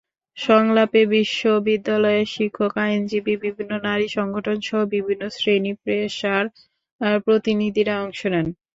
সংলাপে বিশ্ববিদ্যালয়ের শিক্ষক, আইনজীবী, বিভিন্ন নারী সংগঠনসহ বিভিন্ন শ্রেণি-পেশার প্রতিনিধিরা অংশ নেন।